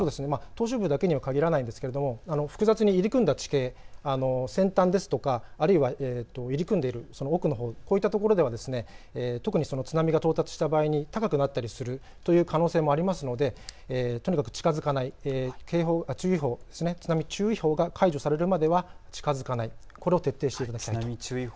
島しょ部だけには限らないんですけれども複雑に入り組んだ地形、先端ですとかあるいは入り組んでいる奥のほう、こういったところでは特に津波が到達した場合に高くなったりするという可能性もあるのでとにかく近づかない、津波注意報が解除されるまでは近づかない、これを徹底していただきたいと思います。